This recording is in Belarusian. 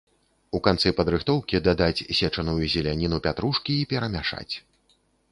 У канцы падрыхтоўкі дадаць сечаную зеляніну пятрушкі і перамяшаць.